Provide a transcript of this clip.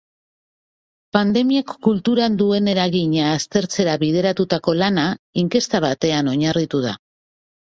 Pandemiak kulturan duen eragina aztertzera bideratutako lana inkesta batean oinarritu da.